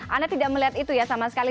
anda tidak melihat itu ya sama sekali